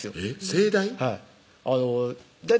盛大？